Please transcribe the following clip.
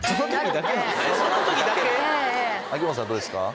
秋元さんどうですか？